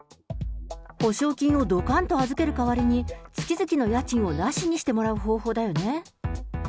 保証金をどかんと預ける代わりに、月々の家賃をなしにしてもらう方法だよね。